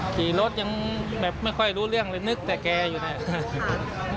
ขี่รถยังแบบไม่ค่อยรู้เรื่องเลยนึกแต่แกอยู่เนี่ย